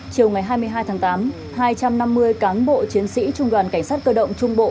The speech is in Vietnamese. chiều ngày hai mươi hai tháng tám hai trăm năm mươi cán bộ chiến sĩ trung đoàn cảnh sát cơ động trung bộ